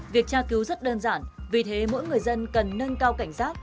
việc tra cứu rất đơn giản vì thế mỗi người dân cần nâng cao cảnh giác